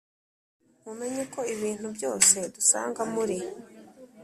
mumenye ko ibintu byose dusanga muri